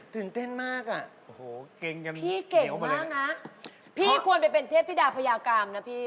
ตื่นเต้นมากอะพี่เก่งมากนะพี่ควรไปเป็นเทพที่ด่าพยากรามนะพี่